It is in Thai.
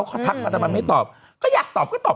เขาทักมาทำไมไม่ตอบก็อยากตอบก็ตอบ